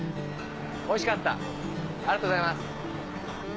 おいしかったありがとうございます。